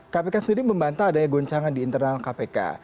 kpk sendiri membantah adanya goncangan di internal kpk